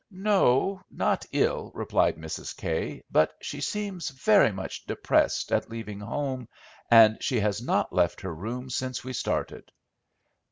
"No, not ill," replied Mrs. Kay; "but she seems very much depressed at leaving home, and she has not left her room since we started."